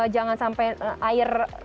jangan sampai air